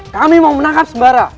kami mau menangkap sebarah